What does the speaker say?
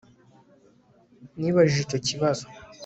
nibajije icyo kibazo